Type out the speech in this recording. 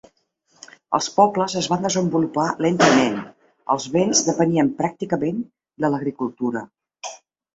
Els pobles es van desenvolupar lentament; els vends depenien pràcticament de l'agricultura.